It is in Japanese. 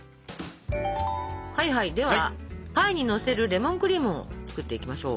ではパイにのせるレモンクリームを作っていきましょう。